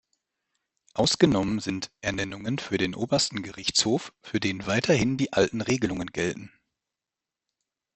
Ausgenommen sind Ernennungen für den Obersten Gerichtshof, für den weiterhin die alten Regelungen gelten.